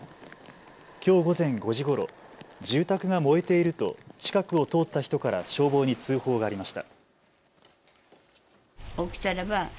きょう午前５時ごろ、住宅が燃えていると近くを通った人から消防に通報がありました。